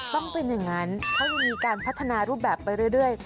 ต้องเป็นอย่างนั้นเขาจะมีการพัฒนารูปแบบไปเรื่อย